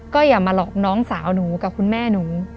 ก็อย่ามาหลอกน้องสาวหนูกับคุณแม่หนู